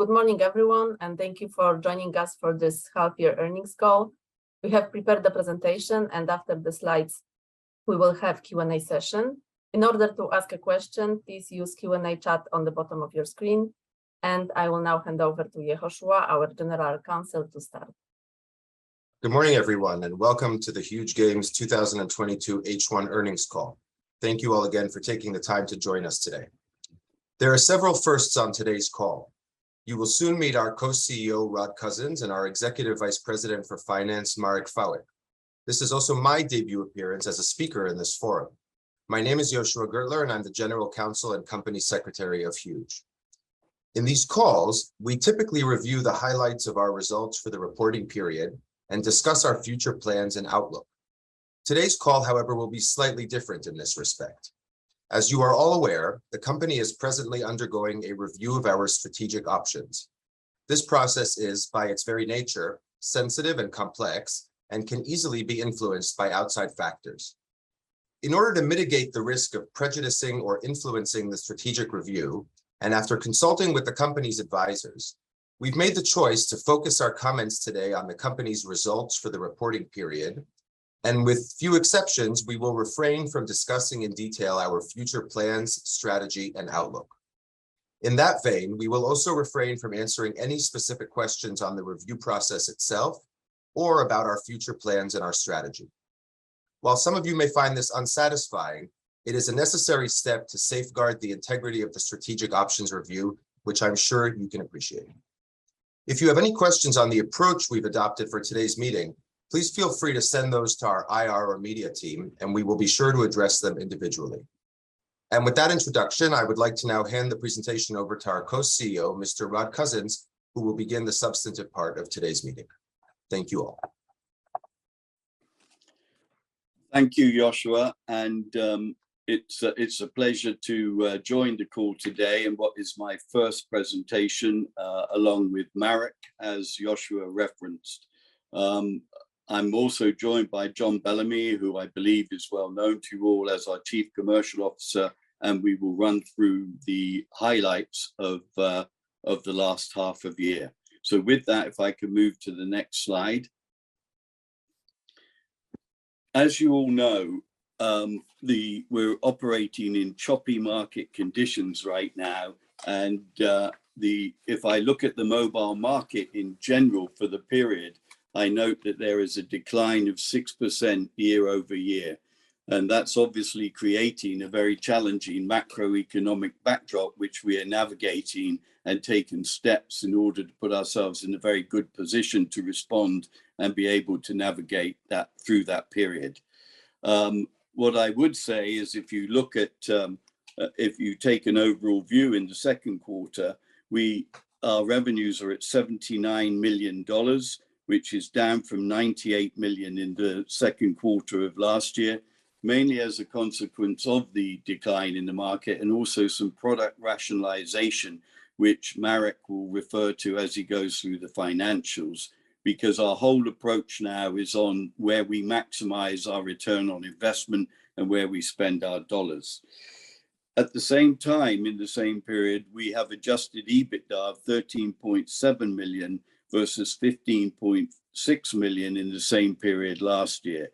Good morning everyone, and thank you for joining us for this half year earnings call. We have prepared the presentation, and after the slides we will have Q&A session. In order to ask a question, please use Q&A chat on the bottom of your screen, and I will now hand over to Yehoshua, our General Counsel to start. Good morning, everyone, and welcome to the Huuuge Games 2022 H1 Earnings Call. Thank you all again for taking the time to join us today. There are several firsts on today's call. You will soon meet our Co-CEO, Rod Cousens, and our Executive Vice President of Finance, Marek Chwałek. This is also my debut appearance as a speaker in this forum. My name is Yehoshua Gurtler, and I'm the General Counsel and Company Secretary of Huuuge. In these calls, we typically review the highlights of our results for the reporting period and discuss our future plans and outlook. Today's call, however, will be slightly different in this respect. As you are all aware, the company is presently undergoing a review of our strategic options. This process is, by its very nature, sensitive and complex, and can easily be influenced by outside factors. In order to mitigate the risk of prejudicing or influencing the strategic review, and after consulting with the company's advisors, we've made the choice to focus our comments today on the company's results for the reporting period, and with few exceptions, we will refrain from discussing in detail our future plans, strategy, and outlook. In that vein, we will also refrain from answering any specific questions on the review process itself or about our future plans and our strategy. While some of you may find this unsatisfying, it is a necessary step to safeguard the integrity of the strategic options review, which I'm sure you can appreciate. If you have any questions on the approach we've adopted for today's meeting, please feel free to send those to our IR or media team, and we will be sure to address them individually. With that introduction, I would like to now hand the presentation over to our Co-CEO, Mr. Rod Cousens, who will begin the substantive part of today's meeting. Thank you all. Thank you, Yehoshua, and it's a pleasure to join the call today in what is my first presentation along with Marek, as Yehoshua referenced. I'm also joined by Jon Bellamy, who I believe is well known to you all as our Chief Commercial Officer, and we will run through the highlights of the last half of year. With that, if I could move to the next slide. As you all know, we're operating in choppy market conditions right now, and the. If I look at the mobile market in general for the period, I note that there is a decline of 6% year-over-year, and that's obviously creating a very challenging macroeconomic backdrop, which we are navigating and taking steps in order to put ourselves in a very good position to respond and be able to navigate that through that period. What I would say is if you take an overall view in the second quarter, our revenues are at $79 million, which is down from $98 million in the second quarter of last year, mainly as a consequence of the decline in the market and also some product rationalization, which Marek will refer to as he goes through the financials, because our whole approach now is on where we maximize our return on investment and where we spend our dollars. At the same time, in the same period, we have adjusted EBITDA of $13.7 million versus $15.6 million in the same period last year.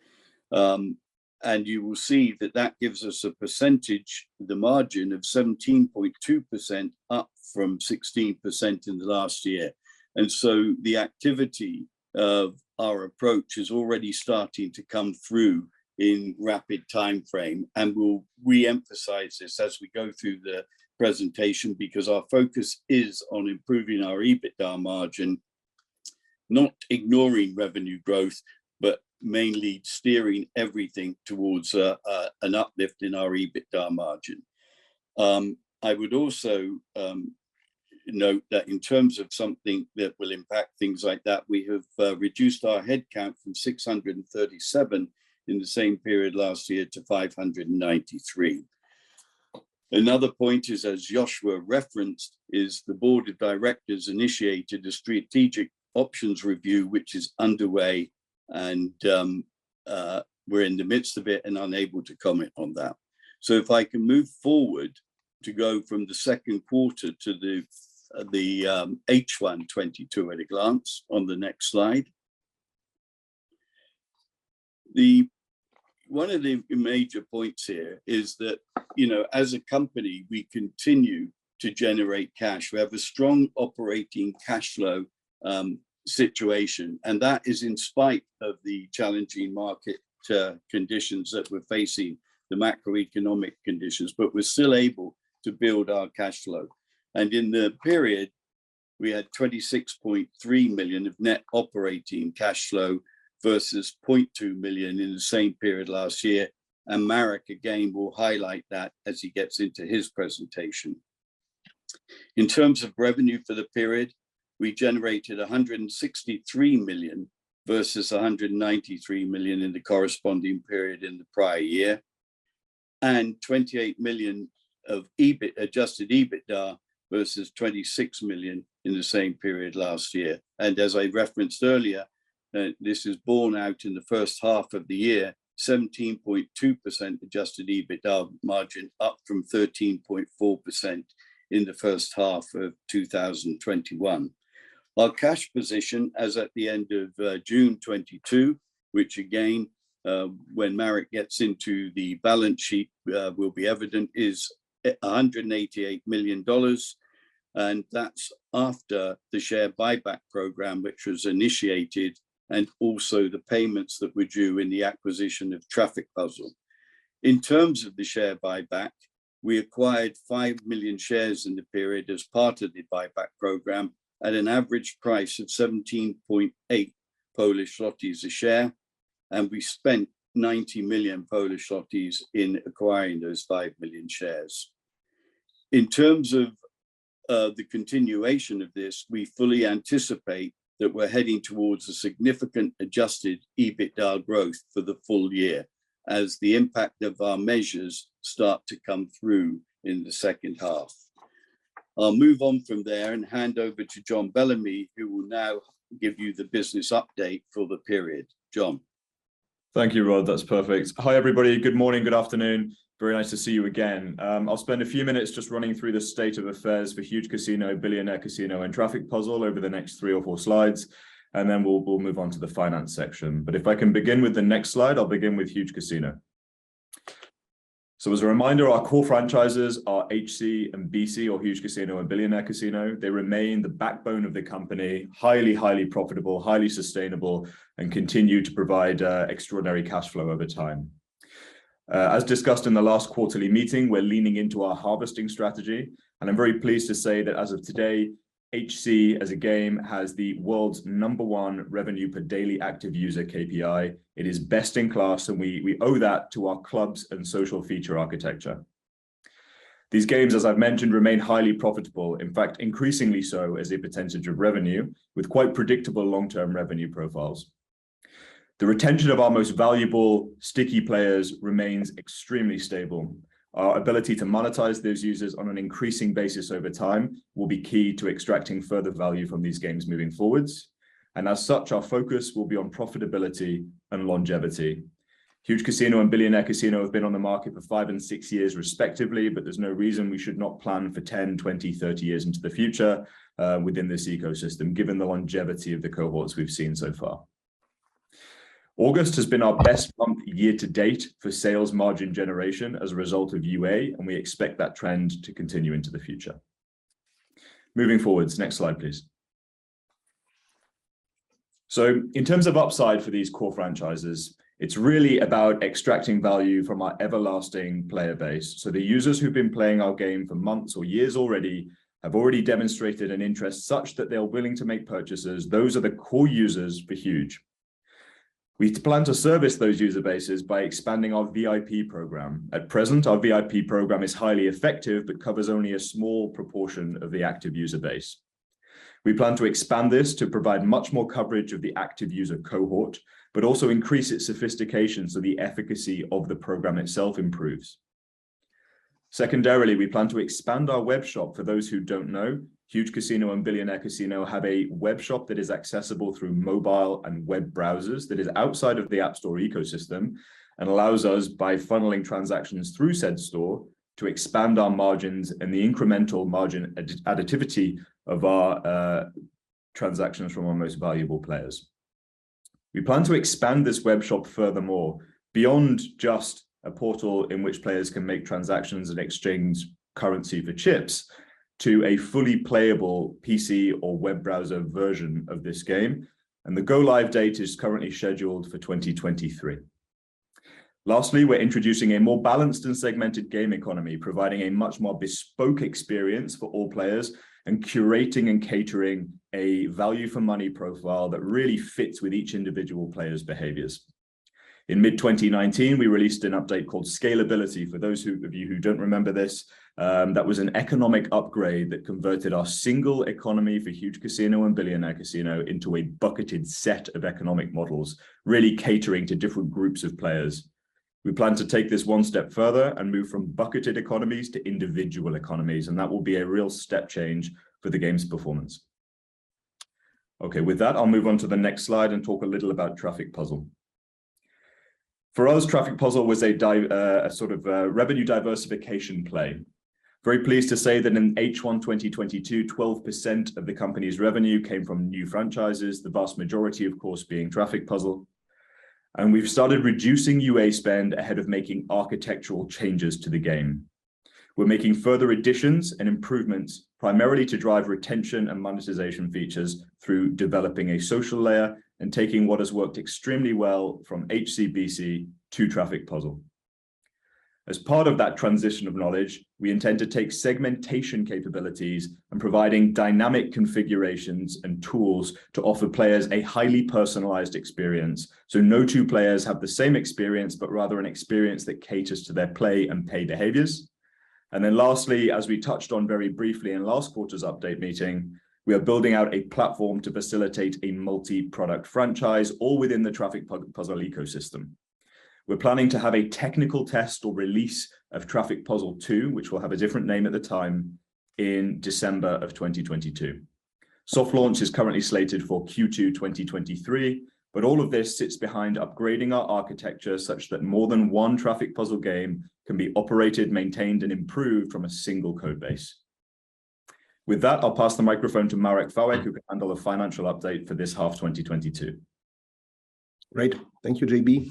You will see that that gives us a percentage, the margin of 17.2% up from 16% in the last year. The activity of our approach is already starting to come through in rapid timeframe, and we'll reemphasize this as we go through the presentation because our focus is on improving our EBITDA margin, not ignoring revenue growth, but mainly steering everything towards an uplift in our EBITDA margin. I would also note that in terms of something that will impact things like that, we have reduced our headcount from 637 in the same period last year to 593. Another point is, as Yehoshua referenced, the board of directors initiated a strategic options review, which is underway and we're in the midst of it and unable to comment on that. If I can move forward to go from the second quarter to the H1 2022 at a glance on the next slide. One of the major points here is that, you know, as a company, we continue to generate cash. We have a strong operating cash flow situation, and that is in spite of the challenging market conditions that we're facing, the macroeconomic conditions, but we're still able to build our cash flow. In the period, we had $26.3 million of net operating cash flow versus $0.2 million in the same period last year, and Marek again will highlight that as he gets into his presentation. In terms of revenue for the period, we generated $163 million versus $193 million in the corresponding period in the prior year, and $28 million of adjusted EBITDA versus $26 million in the same period last year. This is borne out in the first half of the year, 17.2% adjusted EBITDA margin, up from 13.4% in the first half of 2021. Our cash position as at the end of June 2022, which again, when Marek gets into the balance sheet, will be evident, is $188 million, and that's after the share buyback program, which was initiated, and also the payments that were due in the acquisition of Traffic Puzzle. In terms of the share buyback, we acquired 5 million shares in the period as part of the buyback program at an average price of 17.8 a share, and we spent 90 million in acquiring those 5 million shares. In terms of the continuation of this, we fully anticipate that we're heading towards a significant adjusted EBITDA growth for the full year as the impact of our measures start to come through in the second half. I'll move on from there and hand over to Jon Bellamy, who will now give you the business update for the period. Jon? Thank you, Rod. That's perfect. Hi everybody. Good morning, good afternoon. Very nice to see you again. I'll spend a few minutes just running through the state of affairs for Huuuge Casino, Billionaire Casino, and Traffic Puzzle over the next three or four slides, and then we'll move on to the finance section. If I can begin with the next slide, I'll begin with Huuuge Casino. As a reminder, our core franchises are HC and BC or Huuuge Casino and Billionaire Casino. They remain the backbone of the company. Highly profitable, highly sustainable, and continue to provide extraordinary cash flow over time. As discussed in the last quarterly meeting, we're leaning into our harvesting strategy, and I'm very pleased to say that as of today, HC as a game has the world's number one revenue per daily active user KPI. It is best in class, and we owe that to our clubs and social feature architecture. These games, as I've mentioned, remain highly profitable, in fact, increasingly so as a percentage of revenue, with quite predictable long-term revenue profiles. The retention of our most valuable sticky players remains extremely stable. Our ability to monetize those users on an increasing basis over time will be key to extracting further value from these games moving forwards. As such, our focus will be on profitability and longevity. Huuuge Casino and Billionaire Casino have been on the market for five and six years respectively, but there's no reason we should not plan for 10, 20, 30 years into the future, within this ecosystem, given the longevity of the cohorts we've seen so far. August has been our best month year to date for sales margin generation as a result of UA, and we expect that trend to continue into the future. Moving forward. Next slide, please. In terms of upside for these core franchises, it's really about extracting value from our everlasting player base. The users who've been playing our game for months or years already demonstrated an interest such that they are willing to make purchases. Those are the core users for Huuuge. We plan to service those user bases by expanding our VIP program. At present, our VIP program is highly effective but covers only a small proportion of the active user base. We plan to expand this to provide much more coverage of the active user cohort, but also increase its sophistication so the efficacy of the program itself improves. Secondarily, we plan to expand our webshop. For those who don't know, Huuuge Casino and Billionaire Casino have a webshop that is accessible through mobile and web browsers that is outside of the App Store ecosystem and allows us, by funneling transactions through said store, to expand our margins and the incremental margin additivity of our transactions from our most valuable players. We plan to expand this webshop furthermore, beyond just a portal in which players can make transactions and exchange currency for chips, to a fully playable PC or web browser version of this game, and the go live date is currently scheduled for 2023. Lastly, we're introducing a more balanced and segmented game economy, providing a much more bespoke experience for all players and curating and catering a value for money profile that really fits with each individual player's behaviors. In mid-2019, we released an update called Scalability. For those of you who don't remember this, that was an economic upgrade that converted our single economy for Huuuge Casino and Billionaire Casino into a bucketed set of economic models, really catering to different groups of players. We plan to take this one step further and move from bucketed economies to individual economies, and that will be a real step change for the game's performance. Okay, with that, I'll move on to the next slide and talk a little about Traffic Puzzle. For us, Traffic Puzzle was a sort of a revenue diversification play. Very pleased to say that in H1 2022, 12% of the company's revenue came from new franchises, the vast majority, of course, being Traffic Puzzle. We've started reducing UA spend ahead of making architectural changes to the game. We're making further additions and improvements, primarily to drive retention and monetization features through developing a social layer and taking what has worked extremely well from HC/BC to Traffic Puzzle. As part of that transition of knowledge, we intend to take segmentation capabilities and providing dynamic configurations and tools to offer players a highly personalized experience, so no two players have the same experience, but rather an experience that caters to their play and pay behaviors. Lastly, as we touched on very briefly in last quarter's update meeting, we are building out a platform to facilitate a multi-product franchise all within the Traffic Puzzle ecosystem. We're planning to have a technical test or release of Traffic Puzzle 2, which will have a different name at the time in December of 2022. Soft launch is currently slated for Q2 2023, but all of this sits behind upgrading our architecture such that more than one Traffic Puzzle game can be operated, maintained, and improved from a single code base. With that, I'll pass the microphone to Marek Chwałek, who can handle the financial update for this half 2022. Great. Thank you, JB.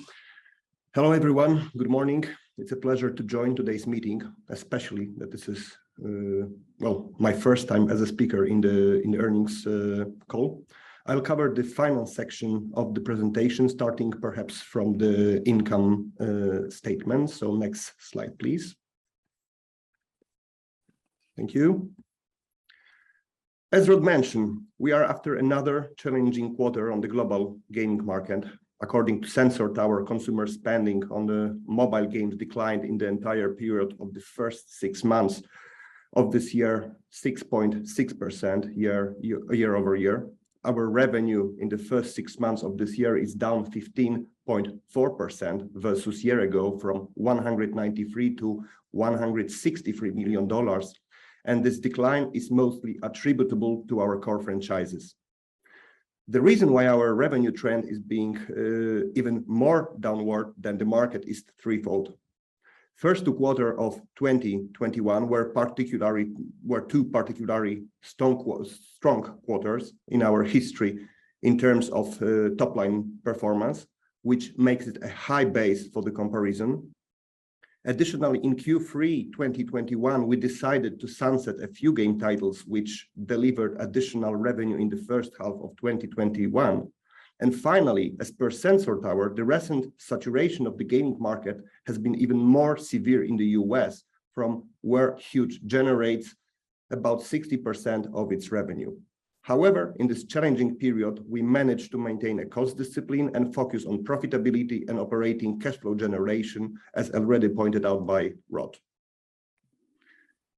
Hello, everyone. Good morning. It's a pleasure to join today's meeting, especially that this is, well, my first time as a speaker in the earnings call. I'll cover the final section of the presentation, starting perhaps from the income statement. Next slide, please. Thank you. As Rod mentioned, we are after another challenging quarter on the global gaming market. According to Sensor Tower, consumer spending on the mobile games declined in the entire period of the first six months of this year 6.6% year-over-year. Our revenue in the first six months of this year is down 15.4% versus year ago from $193 million to $163 million, and this decline is mostly attributable to our core franchises. The reason why our revenue trend is being even more downward than the market is threefold. First, the quarters of 2021 were two particularly strong quarters in our history in terms of top-line performance, which makes it a high base for the comparison. Additionally, in Q3 2021, we decided to sunset a few game titles which delivered additional revenue in the first half of 2021. Finally, as per Sensor Tower, the recent saturation of the gaming market has been even more severe in the U.S. from where Huuuge generates about 60% of its revenue. However, in this challenging period, we managed to maintain a cost discipline and focus on profitability and operating cash flow generation, as already pointed out by Rod.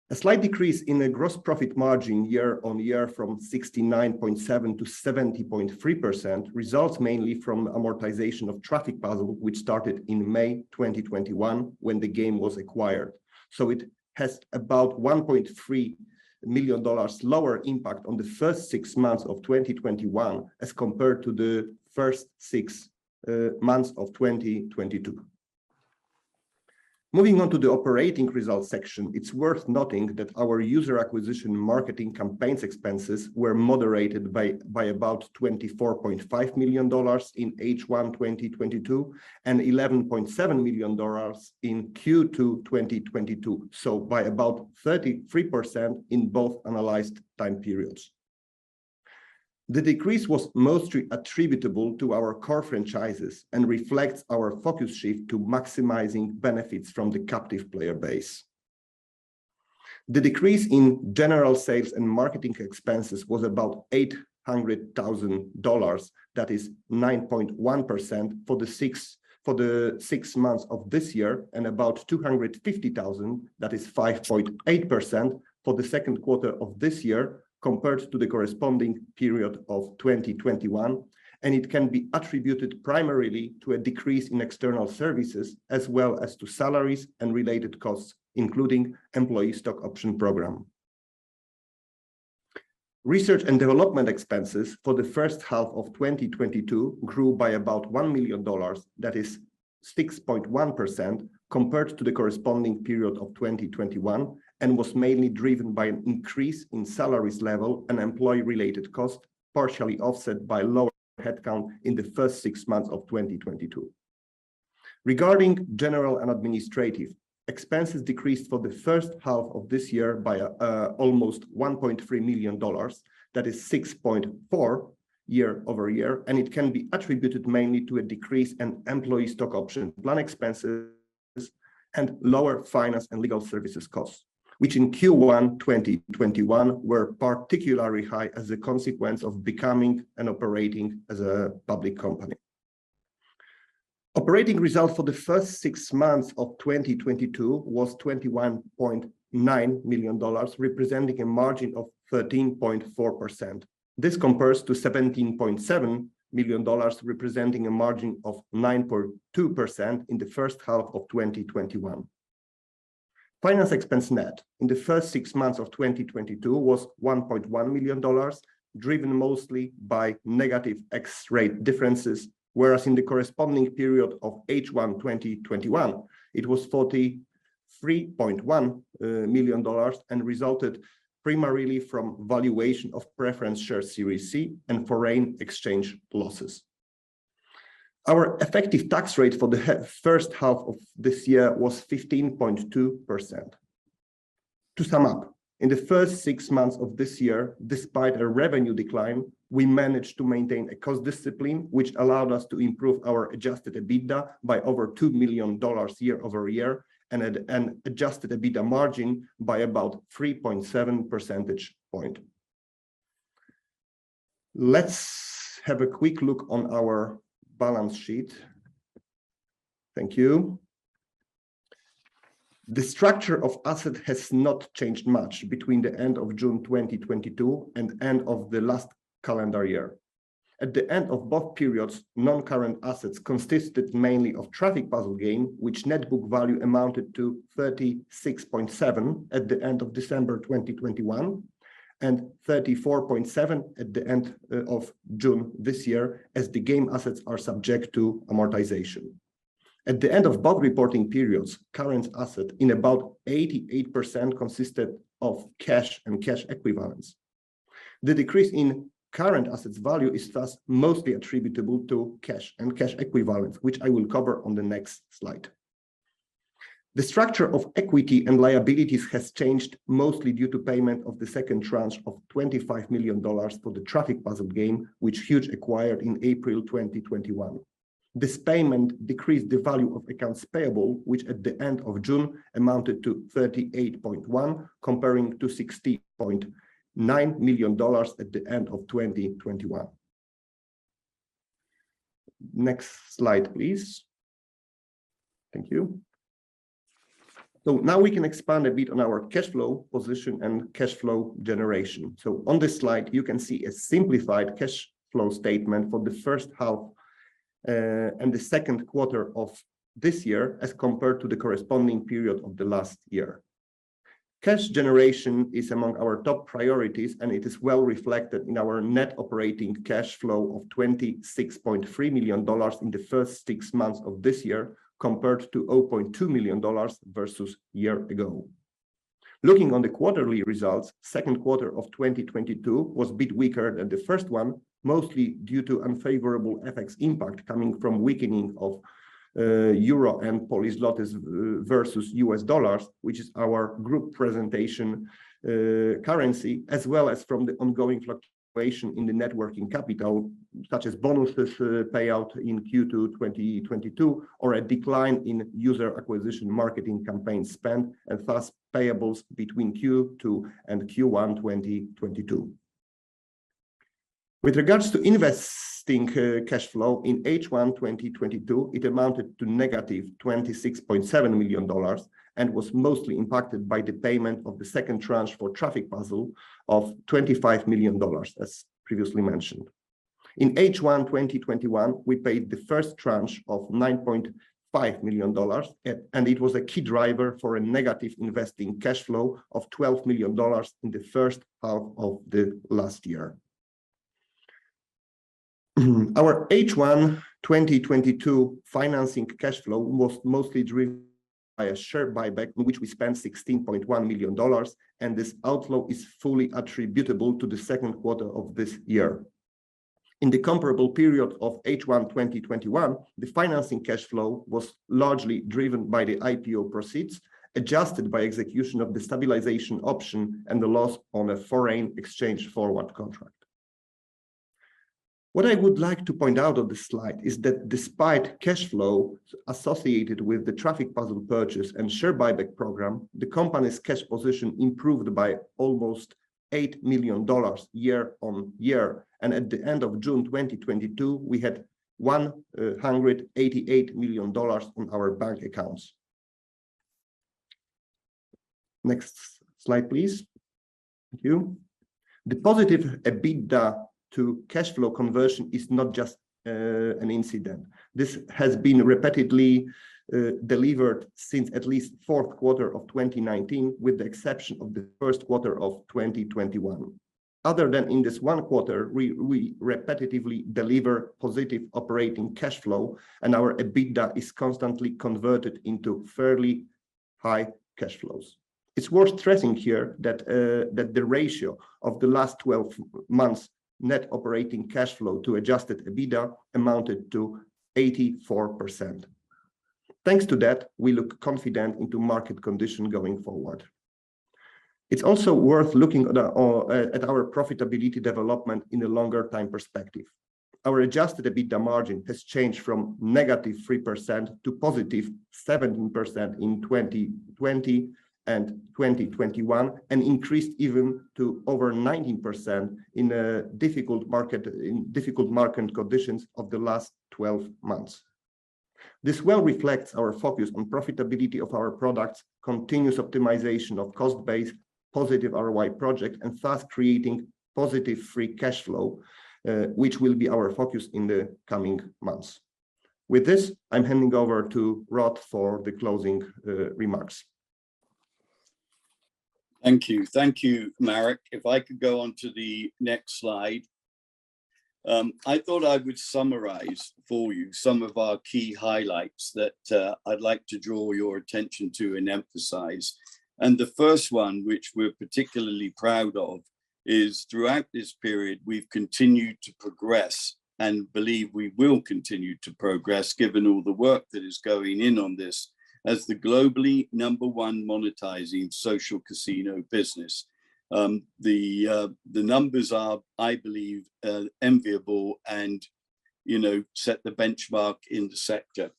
A slight decrease in the gross profit margin year-on-year from 69.7% to 70.3% results mainly from amortization of Traffic Puzzle, which started in May 2021 when the game was acquired. It has about $1.3 million lower impact on the first six months of 2021 as compared to the first six months of 2022. Moving on to the operating results section, it's worth noting that our user acquisition marketing campaigns expenses were moderated by about $24.5 million in H1 2022, and $11.7 million in Q2 2022, so by about 33% in both analyzed time periods. The decrease was mostly attributable to our core franchises and reflects our focus shift to maximizing benefits from the captive player base. The decrease in general sales and marketing expenses was about $800,000, that is 9.1%, for the six months of this year, and about $250,000, that is 5.8%, for the second quarter of this year, compared to the corresponding period of 2021. It can be attributed primarily to a decrease in external services as well as to salaries and related costs, including employee stock option program. Research and development expenses for the first half of 2022 grew by about $1 million, that is 6.1%, compared to the corresponding period of 2021, and was mainly driven by an increase in salaries level and employee-related cost, partially offset by lower headcount in the first six months of 2022. Regarding general and administrative expenses decreased for the first half of this year by almost $1.3 million, that is 6.4% year-over-year, and it can be attributed mainly to a decrease in employee stock option plan expenses and lower finance and legal services costs, which in Q1 2021 were particularly high as a consequence of becoming and operating as a public company. Operating results for the first six months of 2022 was $21.9 million, representing a margin of 13.4%. This compares to $17.7 million, representing a margin of 9.2% in the first half of 2021. Finance expense net in the first six months of 2022 was $1.1 million, driven mostly by negative FX rate differences, whereas in the corresponding period of H1 2021, it was $43.1 million and resulted primarily from valuation of preference shares Series C and foreign exchange losses. Our effective tax rate for the first half of this year was 15.2%. To sum up, in the first six months of this year, despite a revenue decline, we managed to maintain a cost discipline, which allowed us to improve our adjusted EBITDA by over $2 million year-over-year and adjusted EBITDA margin by about 3.7 percentage point. Let's have a quick look on our balance sheet. Thank you. The structure of assets has not changed much between the end of June 2022 and end of the last calendar year. At the end of both periods, non-current assets consisted mainly of Traffic Puzzle game, which net book value amounted to 36.7 at the end of December 2021, and 34.7 at the end of June this year, as the game assets are subject to amortization. At the end of both reporting periods, current assets in about 88% consisted of cash and cash equivalents. The decrease in current assets value is thus mostly attributable to cash and cash equivalents, which I will cover on the next slide. The structure of equity and liabilities has changed mostly due to payment of the second tranche of $25 million for the Traffic Puzzle game, which Huuuge acquired in April 2021. This payment decreased the value of accounts payable, which at the end of June amounted to $38.1 million, compared to $60.9 million at the end of 2021. Next slide, please. Thank you. Now we can expand a bit on our cash flow position and cash flow generation. On this slide you can see a simplified cash flow statement for the first half and the second quarter of this year as compared to the corresponding period of the last year. Cash generation is among our top priorities, and it is well reflected in our net operating cash flow of $26.3 million in the first six months of this year, compared to $0.2 million a year ago. Looking on the quarterly results, second quarter of 2022 was a bit weaker than the first one, mostly due to unfavorable FX impact coming from weakening of euro and Polish złotys versus U.S. dollars, which is our group presentation currency as well as from the ongoing fluctuation in the net working capital, such as bonuses payout in Q2 2022, or a decline in user acquisition marketing campaign spend, and thus payables between Q2 and Q1 2022. With regards to investing cash flow in H1 2022, it amounted to -$26.7 million, and was mostly impacted by the payment of the second tranche for Traffic Puzzle of $25 million, as previously mentioned. In H1 2021, we paid the first tranche of $9.5 million, and it was a key driver for a negative investing cash flow of $12 million in the first half of the last year. Our H1 2022 financing cash flow was mostly driven by a share buyback, in which we spent $16.1 million, and this outflow is fully attributable to the second quarter of this year. In the comparable period of H1 2021, the financing cash flow was largely driven by the IPO proceeds, adjusted by execution of the stabilization option and the loss on a foreign exchange forward contract. What I would like to point out on this slide is that despite cash flow associated with the Traffic Puzzle purchase and share buyback program, the company's cash position improved by almost $8 million year-on-year. At the end of June 2022, we had $188 million in our bank accounts. Next slide, please. Thank you. The positive EBITDA to cash flow conversion is not just an incident. This has been repeatedly delivered since at least fourth quarter of 2019, with the exception of the first quarter of 2021. Other than in this one quarter, we repetitively deliver positive operating cash flow and our EBITDA is constantly converted into fairly high cash flows. It's worth stressing here that the ratio of the last 12 months net operating cash flow to adjusted EBITDA amounted to 84%. Thanks to that, we feel confident in market conditions going forward. It's also worth looking at our profitability development in a longer time perspective. Our adjusted EBITDA margin has changed from -3% to +17% in 2020 and 2021, and increased even to over 19% in a difficult market, in difficult market conditions of the last 12 months. This well reflects our focus on profitability of our products, continuous optimization of cost-based positive ROI project, and thus creating positive free cash flow, which will be our focus in the coming months. With this, I'm handing over to Rod for the closing remarks. Thank you. Thank you, Marek. If I could go on to the next slide. I thought I would summarize for you some of our key highlights that, I'd like to draw your attention to and emphasize. The first one, which we're particularly proud of, is throughout this period, we've continued to progress and believe we will continue to progress, given all the work that is going in on this, as the globally number one monetizing social casino business. The numbers are, I believe, enviable and, you know, set the benchmark in the sector.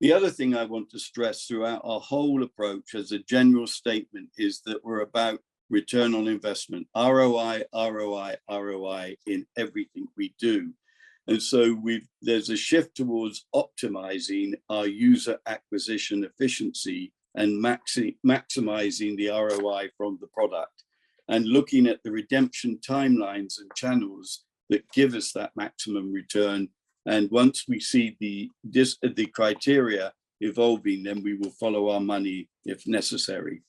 The other thing I want to stress throughout our whole approach as a general statement is that we're about return on investment, ROI, ROI in everything we do. There's a shift towards optimizing our user acquisition efficiency and maximizing the ROI from the product, and looking at the redemption timelines and channels that give us that maximum return. Once we see the criteria evolving, then we will follow our money if necessary.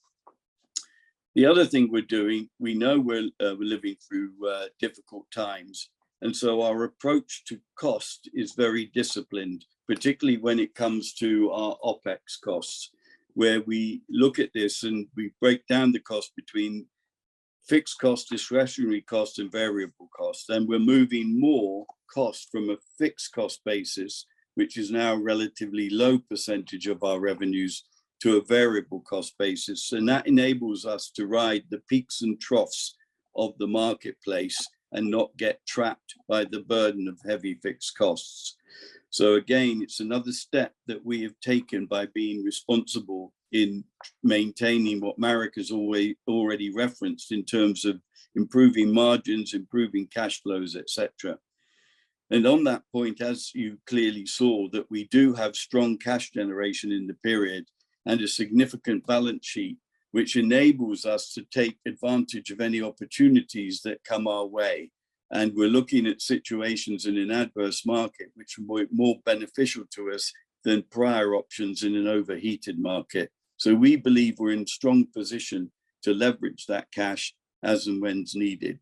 The other thing we're doing, we know we're living through difficult times, and so our approach to cost is very disciplined, particularly when it comes to our OpEx costs, where we look at this and we break down the cost between fixed cost, discretionary cost, and variable cost. We're moving more cost from a fixed cost basis, which is now a relatively low percentage of our revenues, to a variable cost basis. That enables us to ride the peaks and troughs of the marketplace and not get trapped by the burden of heavy fixed costs. Again, it's another step that we have taken by being responsible in maintaining what Marek has already referenced in terms of improving margins, improving cash flows, etc. On that point, as you clearly saw, that we do have strong cash generation in the period and a significant balance sheet, which enables us to take advantage of any opportunities that come our way, and we're looking at situations in an adverse market which are more beneficial to us than prior options in an overheated market. We believe we're in a strong position to leverage that cash as and when it's needed.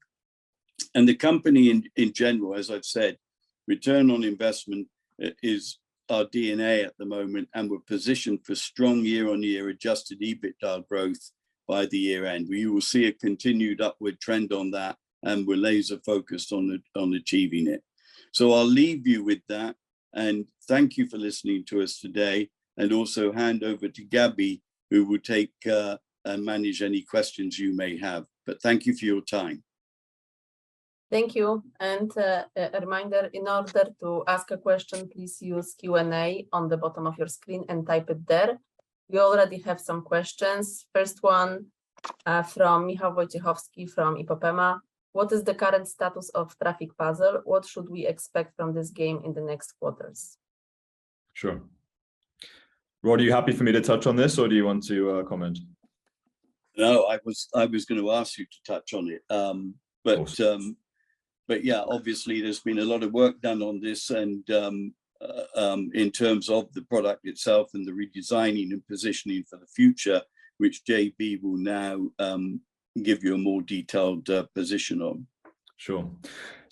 The company, in general, as I've said, return on investment is our DNA at the moment, and we're positioned for strong year-on-year adjusted EBITDA growth by the year-end, where you will see a continued upward trend on that, and we're laser-focused on achieving it. I'll leave you with that, and thank you for listening to us today. Also hand over to Gabby, who will take and manage any questions you may have. Thank you for your time. Thank you. A reminder, in order to ask a question, please use Q&A on the bottom of your screen and type it there. We already have some questions. First one, from Michał Wojciechowski from IPOPEMA. What is the current status of Traffic Puzzle? What should we expect from this game in the next quarters? Sure. Rod, are you happy for me to touch on this, or do you want to comment? No, I was gonna ask you to touch on it. Of course. Yeah, obviously there's been a lot of work done on this, and in terms of the product itself and the redesigning and positioning for the future, which JB will now give you a more detailed position on. Sure.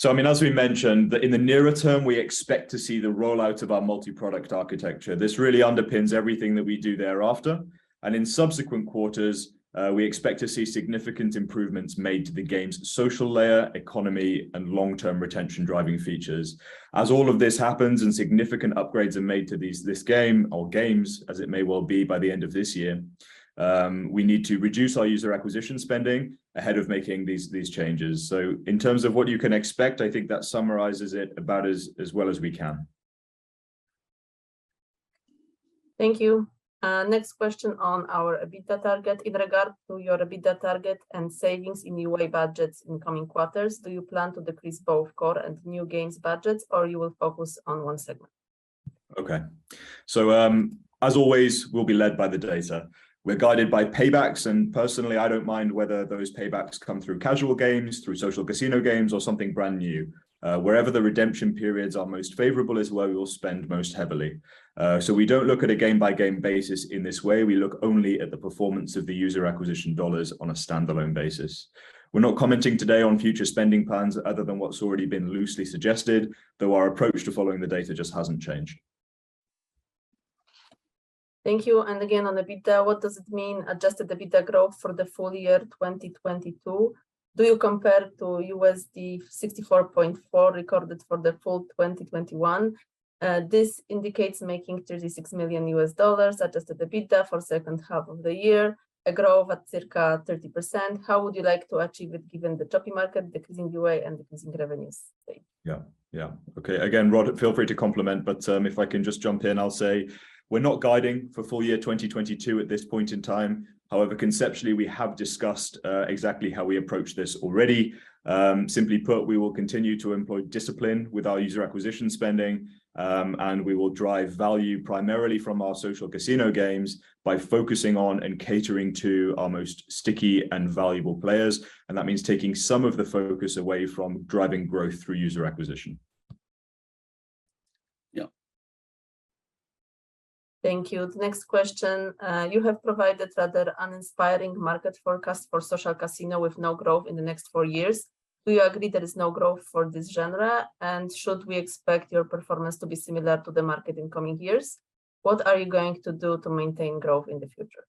I mean, as we mentioned, in the nearer term, we expect to see the rollout of our multi-product architecture. This really underpins everything that we do thereafter. In subsequent quarters, we expect to see significant improvements made to the game's social layer, economy, and long-term retention driving features. As all of this happens and significant upgrades are made to these, this game or games, as it may well be by the end of this year, we need to reduce our user acquisition spending ahead of making these changes. In terms of what you can expect, I think that summarizes it about as well as we can. Thank you. Next question on our EBITDA target. In regard to your EBITDA target and savings in UA budgets in coming quarters, do you plan to decrease both core and new games budgets, or you will focus on one segment? Okay. As always, we'll be led by the data. We're guided by paybacks, and personally, I don't mind whether those paybacks come through casual games, through social casino games, or something brand new. Wherever the redemption periods are most favorable is where we will spend most heavily. We don't look at a game-by-game basis in this way. We look only at the performance of the user acquisition dollars on a standalone basis. We're not commenting today on future spending plans other than what's already been loosely suggested, though our approach to following the data just hasn't changed. Thank you. Again, on EBITDA, what does it mean, adjusted EBITDA growth for the full year 2022? Do you compare to $64.4 recorded for the full 2021? This indicates making $36 million adjusted EBITDA for second half of the year, a growth at circa 30%. How would you like to achieve it given the choppy market, decreasing UA, and decreasing revenues? Thank you. Yeah. Okay. Again, Rod, feel free to complement, but if I can just jump in, I'll say we're not guiding for full year 2022 at this point in time. However, conceptually, we have discussed exactly how we approach this already. Simply put, we will continue to employ discipline with our user acquisition spending, and we will drive value primarily from our social casino games by focusing on and catering to our most sticky and valuable players, and that means taking some of the focus away from driving growth through user acquisition. Yeah. Thank you. The next question. You have provided rather uninspiring market forecast for social casino with no growth in the next four years. Do you agree there is no growth for this genre? Should we expect your performance to be similar to the market in coming years? What are you going to do to maintain growth in the future?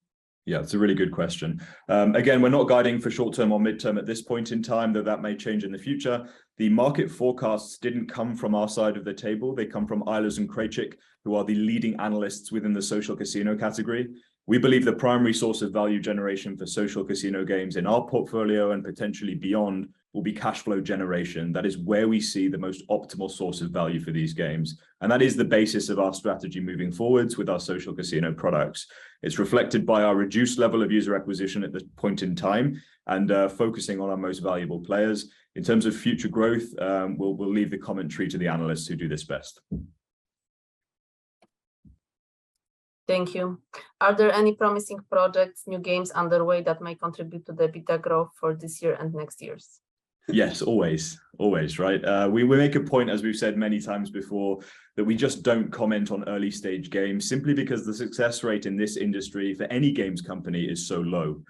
Yeah, it's a really good question. Again, we're not guiding for short-term or mid-term at this point in time, though that may change in the future. The market forecasts didn't come from our side of the table. They come from Eilers & Krejcik, who are the leading analysts within the social casino category. We believe the primary source of value generation for social casino games in our portfolio, and potentially beyond, will be cash flow generation. That is where we see the most optimal source of value for these games, and that is the basis of our strategy moving forward with our social casino products. It's reflected by our reduced level of user acquisition at this point in time and focusing on our most valuable players. In terms of future growth, we'll leave the commentary to the analysts who do this best. Thank you. Are there any promising projects, new games underway that may contribute to the EBITDA growth for this year and next years? Yes, always. Always, right? We make a point, as we've said many times before, that we just don't comment on early stage games simply because the success rate in this industry for any games company is so low.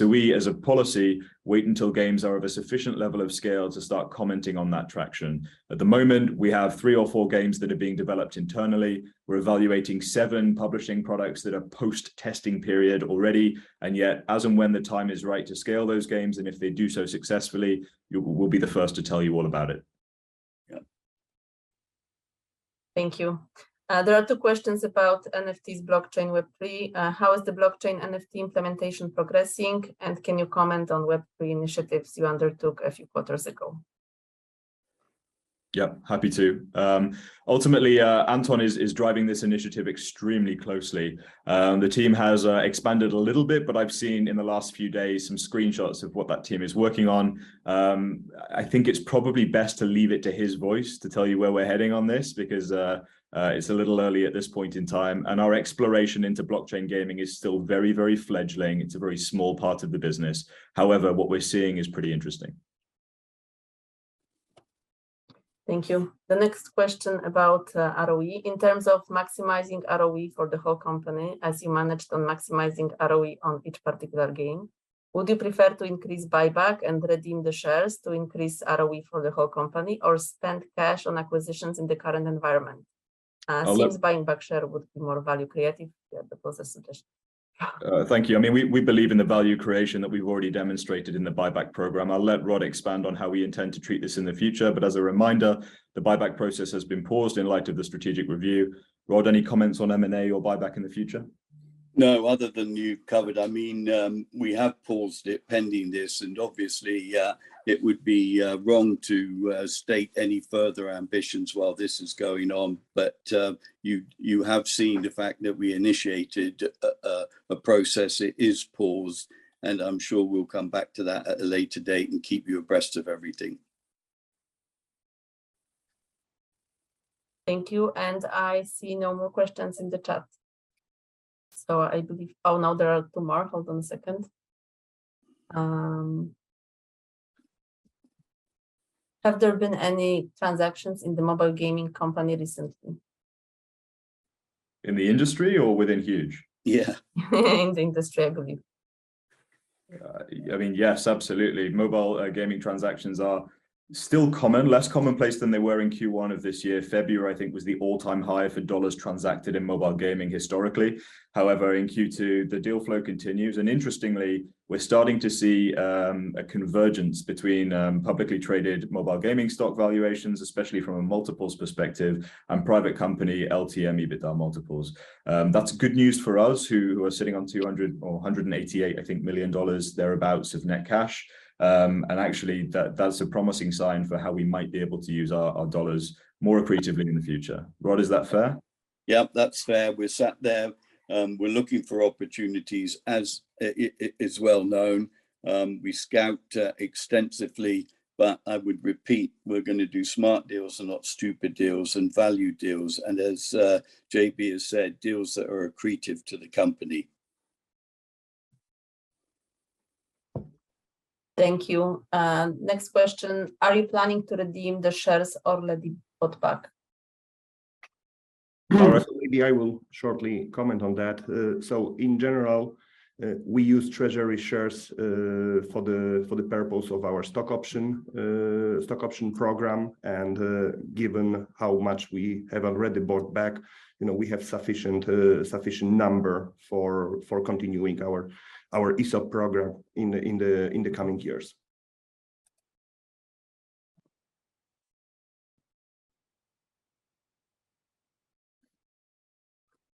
We, as a policy, wait until games are of a sufficient level of scale to start commenting on that traction. At the moment, we have three or four games that are being developed internally. We're evaluating seven publishing products that are post-testing period already, and yet as and when the time is right to scale those games, and if they do so successfully, we'll be the first to tell you all about it. Yeah. Thank you. There are two questions about NFTs, blockchain, Web3. How is the blockchain NFT implementation progressing, and can you comment on Web3 initiatives you undertook a few quarters ago? Yeah, happy to. Ultimately, Anton is driving this initiative extremely closely. The team has expanded a little bit, but I've seen in the last few days some screenshots of what that team is working on. I think it's probably best to leave it to his voice to tell you where we're heading on this because it's a little early at this point in time, and our exploration into blockchain gaming is still very, very fledgling. It's a very small part of the business. However, what we're seeing is pretty interesting. Thank you. The next question about ROE, in terms of maximizing ROE for the whole company as you mentioned, on maximizing ROE on each particular game, would you prefer to increase buyback and redeem the shares to increase ROE for the whole company or spend cash on acquisitions in the current environment? I'll let Since buying back shares would be more value-creative, yeah, that was a suggestion. Thank you. I mean, we believe in the value creation that we've already demonstrated in the buyback program. I'll let Rod expand on how we intend to treat this in the future, but as a reminder, the buyback process has been paused in light of the strategic review. Rod, any comments on M&A or buyback in the future? No, other than you've covered. I mean, we have paused it pending this, and obviously, it would be wrong to state any further ambitions while this is going on. You have seen the fact that we initiated a process. It is paused, and I'm sure we'll come back to that at a later date and keep you abreast of everything. Thank you, and I see no more questions in the chat. Oh, no, there are two more. Hold on a second. Have there been any transactions in the mobile gaming company recently? In the industry or within Huuuge? Yeah. In the industry, I believe. I mean, yes, absolutely. Mobile gaming transactions are still common, less commonplace than they were in Q1 of this year. February, I think, was the all-time high for dollars transacted in mobile gaming historically. However, in Q2, the deal flow continues, and interestingly, we're starting to see a convergence between publicly traded mobile gaming stock valuations, especially from a multiples perspective, and private company LTM EBITDA multiples. That's good news for us who are sitting on $200 million or $188 million, I think, thereabout, of net cash. And actually, that's a promising sign for how we might be able to use our dollars more accretively in the future. Rod, is that fair? Yep, that's fair. We're sat there, we're looking for opportunities as it's well known. We scout extensively. I would repeat, we're gonna do smart deals and not stupid deals and value deals, and as JB has said, deals that are accretive to the company. Thank you. Next question, are you planning to redeem the shares or let it bought back? Marek. Maybe I will shortly comment on that. In general, we use treasury shares for the purpose of our stock option program, and given how much we have already bought back, you know, we have sufficient number for continuing our ESOP program in the coming years.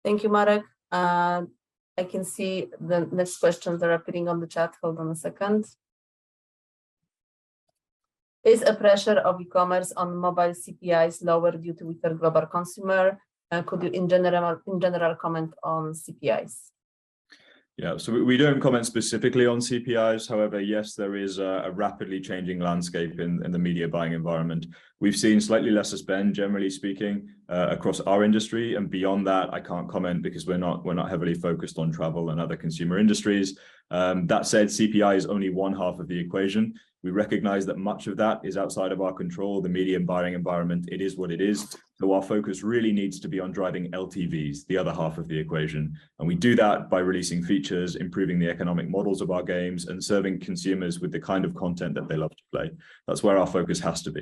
Thank you, Marek. I can see the next questions that are appearing on the chat. Hold on a second. Is the pressure of e-commerce on mobile CPIs lower due to weaker global consumer? Could you in general comment on CPIs? Yeah. We don't comment specifically on CPIs. However, yes, there is a rapidly changing landscape in the media buying environment. We've seen slightly lesser spend, generally speaking, across our industry, and beyond that, I can't comment because we're not heavily focused on travel and other consumer industries. That said, CPI is only one half of the equation. We recognize that much of that is outside of our control, the media and buying environment, it is what it is. Our focus really needs to be on driving LTVs, the other half of the equation, and we do that by releasing features, improving the economic models of our games, and serving consumers with the kind of content that they love to play. That's where our focus has to be.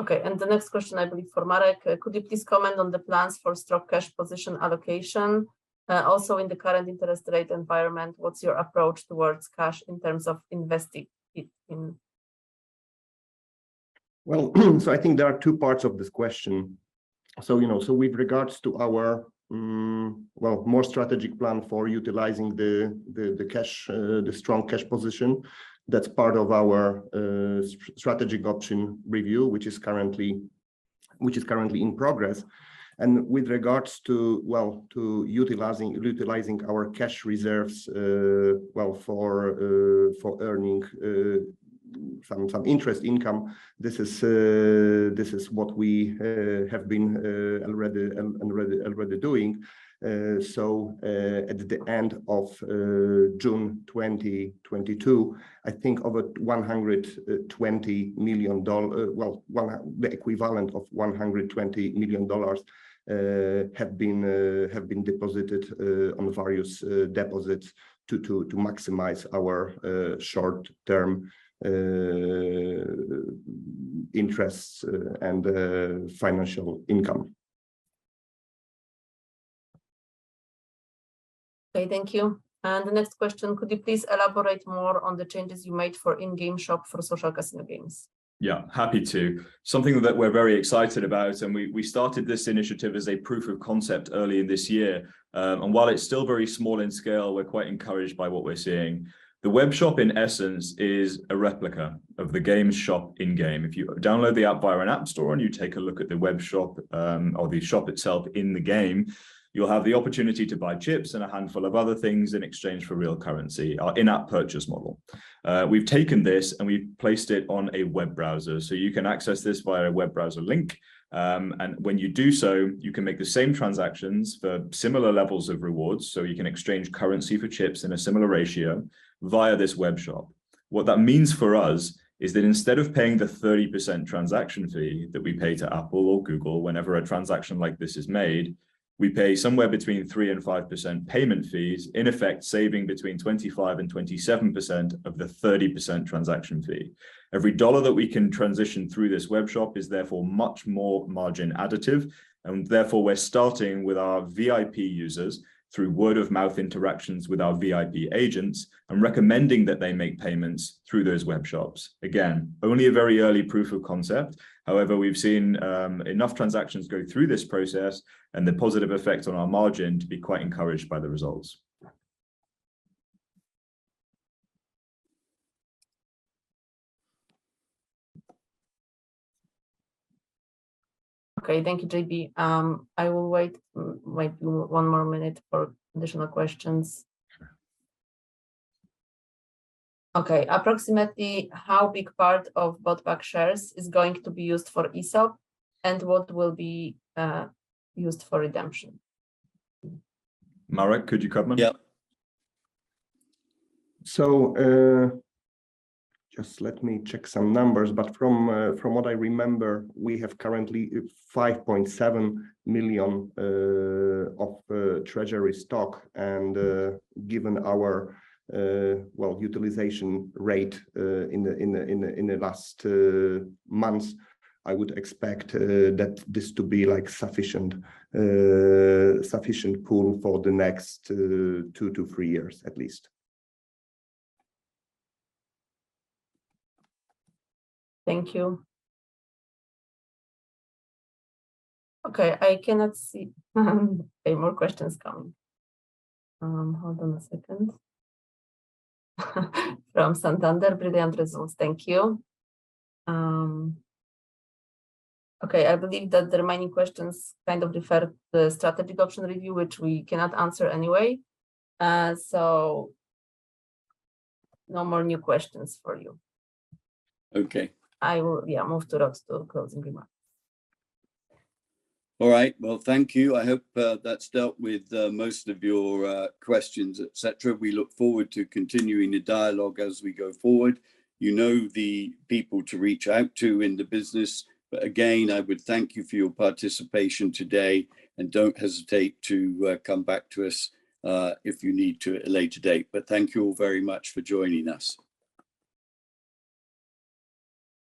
Okay, the next question, I believe for Marek, could you please comment on the plans for strong cash position allocation? Also in the current interest rate environment, what's your approach towards cash in terms of investing it in? I think there are two parts of this question. You know, with regards to our more strategic plan for utilizing the cash, the strong cash position, that's part of our strategic option review, which is currently in progress, and with regards to utilizing our cash reserves, for earning some interest income, this is what we have been already doing. At the end of June 2022, I think the equivalent of $120 million have been deposited on various deposits to maximize our short-term interest and financial income. Okay, thank you. The next question, could you please elaborate more on the changes you made for in-game shop for social casino games? Yeah, happy to. Something that we're very excited about, and we started this initiative as a proof of concept earlier this year. While it's still very small in scale, we're quite encouraged by what we're seeing. The webshop, in essence, is a replica of the game's shop in game. If you download the app via an App Store and you take a look at the webshop, or the shop itself in the game, you'll have the opportunity to buy chips and a handful of other things in exchange for real currency, our in-app purchase model. We've taken this, and we've placed it on a web browser, so you can access this via a web browser link. When you do so, you can make the same transactions for similar levels of rewards. You can exchange currency for chips in a similar ratio via this webshop. What that means for us is that instead of paying the 30% transaction fee that we pay to Apple or Google whenever a transaction like this is made, we pay somewhere between 3% and 5% payment fees, in effect saving between 25% and 27% of the 30% transaction fee. Every dollar that we can transition through this webshop is therefore much more margin additive, and therefore we're starting with our VIP users through word-of-mouth interactions with our VIP agents and recommending that they make payments through those webshops. Again, only a very early proof of concept. However, we've seen enough transactions go through this process and the positive effect on our margin to be quite encouraged by the results. Okay, thank you, JB. I will wait one more minute for additional questions. Okay. Approximately how big part of buyback shares is going to be used for ESOP, and what will be used for redemption? Marek, could you comment? Yeah. Just let me check some numbers, but from what I remember, we have currently 5.7 million of treasury stock, and given our well utilization rate in the last months, I would expect that this to be like sufficient pool for the next two to three years at least. Thank you. Okay, I cannot see any more questions coming. Hold on a second. From Santander, brilliant results. Thank you. Okay, I believe that the remaining questions kind of refer to the strategic option review, which we cannot answer anyway, so no more new questions for you. Okay. I will, yeah, move to Rod's closing remarks. All right, well, thank you. I hope that's dealt with most of your questions, etc. We look forward to continuing the dialogue as we go forward. You know the people to reach out to in the business. Again, I would thank you for your participation today, and don't hesitate to come back to us if you need to at a later date. Thank you all very much for joining us.